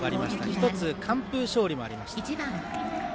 １つ、完封勝利もありました。